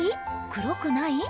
黒くない？